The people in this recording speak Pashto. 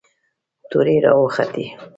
تورې را وختې.